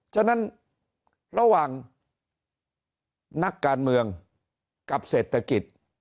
ฉะนั้นระหว่างนักการเมืองกับเศรษฐกิจ